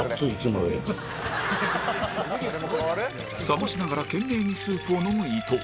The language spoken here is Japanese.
冷ましながら懸命にスープを飲む伊藤